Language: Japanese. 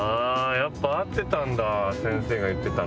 やっぱ合ってたんだ先生が言ってたの。